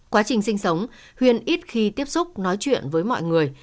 quá trình sinh sống huyền ít khi tiếp xúc nói chuyện với mọi người